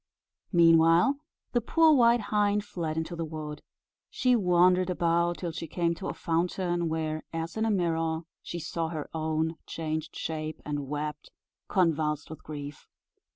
Meanwhile, the poor white hind fled into the wood. She wandered about till she came to a fountain, where, as in a mirror, she saw her own changed shape, and wept, convulsed with grief.